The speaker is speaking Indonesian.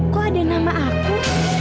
kok ada nama aku